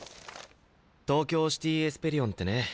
東京シティ・エスペリオンってね